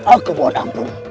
aku mohon ampun